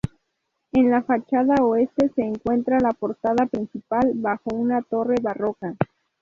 En la fachada oeste se encuentra la portada principal, bajo una torre barroca.